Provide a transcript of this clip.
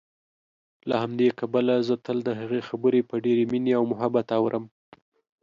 له همدې کبله زه تل دهغې خبرې په ډېرې مينې او محبت اورم